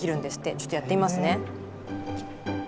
ちょっとやってみますね。